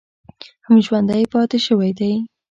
هم ژوندی پاتې شوی دی